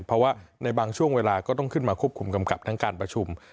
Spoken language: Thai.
เพราะว่าในบางช่วงเวลาก็ต้องขึ้นมาควบคุมกำกับทั้งการประชุม